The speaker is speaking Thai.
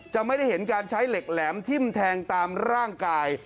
จะไม่ได้เห็นการใช้เหล็กแหลมทิ้มแทงตามร่างกาย